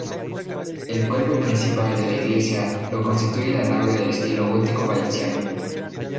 El cuerpo principal de la iglesia lo constituye la nave de estilo gótico valenciano.